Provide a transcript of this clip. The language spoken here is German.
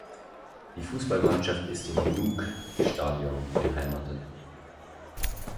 Die Fußballmannschaft ist im Nuuk-Stadion beheimatet.